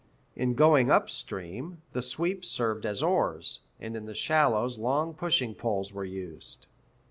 In going up stream, the sweeps served as oars, and in the shallows long pushing poles were used.